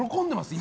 今。